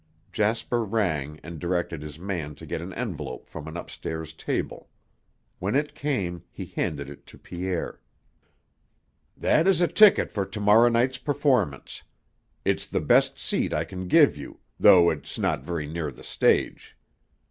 Jasper rang and directed his man to get an envelope from an upstairs table. When it came, he handed it to Pierre. "That is a ticket for to morrow night's performance. It's the best seat I can give you, though it is not very near the stage.